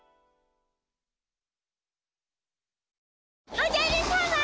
おじゃるさま！